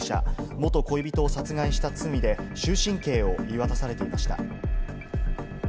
元恋人を殺害した罪で終身刑を言い渡されていました。